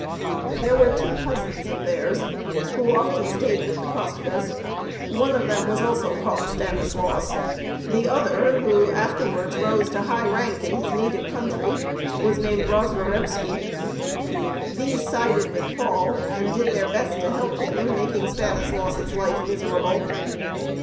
There were two cousins of theirs who often stayed with the Kostkas; one of them was also called Stanislaus, the other, who afterwards rose to high rank in his native country, was named Rozrarewski. These sided with Paul and did their best to help him in making Stanislaus' life miserable.